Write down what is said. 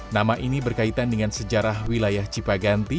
nama ini berkaitan dengan sejarah wilayah cipaganti